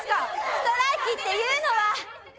ストライキっていうのは！